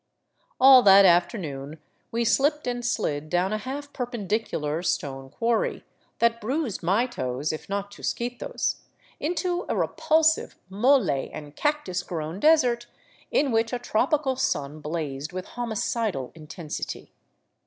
All that afternoon we slipped and slid down a half perpendicular stone quarry, that bruised my toes if not Chusquito's, into a repulsive molle and cactus grown desert in which a tropical sun blazed with homicidal intensity.